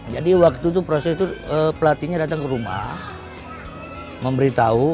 jadi waktu itu proses itu pelatihnya datang ke rumah memberitahu